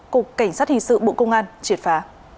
cục cảnh sát hình sự bộ công an triệt phá